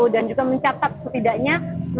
dan juga mencatat setidaknya